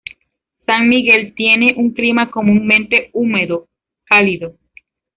San Miguel tiene un clima comúnmente húmedo cálido.